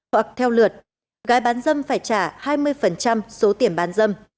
hoặc theo lượt gái bán dâm phải trả hai mươi số tiền bán dâm